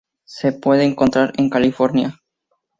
Se puede encontrar en California.